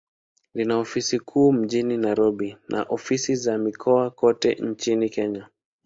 Lina ofisi kuu mjini Nairobi, na ofisi za mikoa kote nchini Kenya.